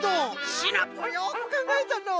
シナプーよくかんがえたのう。